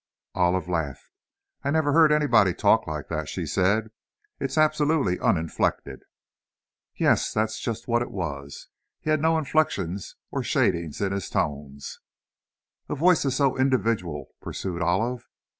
Olive laughed. "I never heard anybody talk like that," she said. "It's absolutely uninflected." "Yes, that's just what it was. He had no inflections or shadings in his tones." "A voice is so individual," pursued Olive.